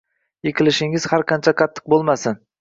Yiqilishingiz har qancha qattiq bo’lmasin.